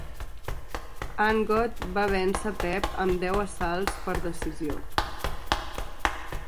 Angott va vèncer Pep amb deu assalts, per decisió.